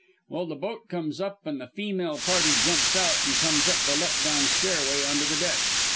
"Well, the boat comes up an' the feemale party jumps out and comes up the let down stairway, onto the deck.